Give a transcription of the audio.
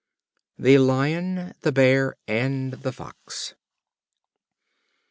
The Lion, the Bear, and the Fox.